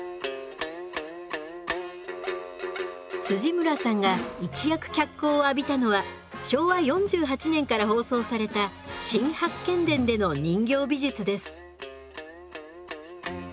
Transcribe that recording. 村さんが一躍脚光を浴びたのは昭和４８年から放送された「新八犬伝」での人形美術です。